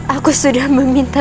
aku sudah meminta